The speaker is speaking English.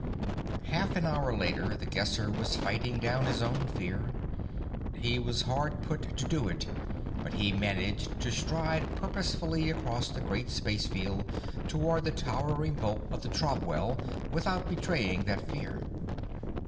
Half an hour later, The Guesser was fighting down his own fear. He was hard put to do it, but he managed to stride purposefully across the great spacefield toward the towering bulk of the Trobwell without betraying that fear.